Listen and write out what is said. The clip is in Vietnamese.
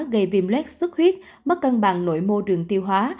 gây viêm lét sức huyết mất cân bằng nội mô đường tiêu hóa